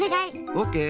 オッケー！